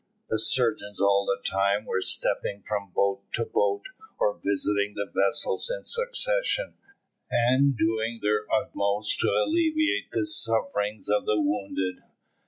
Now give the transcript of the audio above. The surgeons all the time were stepping from boat to boat, or visiting the vessels in succession, and doing their utmost to alleviate the sufferings of the wounded.